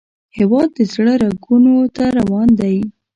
هیواد د زړه رګونو ته روان دی